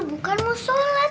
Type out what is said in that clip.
bukan mau sholat